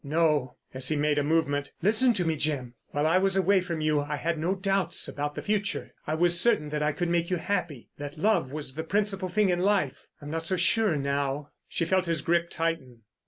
No," as he made a movement, "listen to me, Jim. While I was away from you I had no doubts about the future. I was certain that I could make you happy, that love was the principal thing in life. I'm not so sure now." She felt his grip tighten.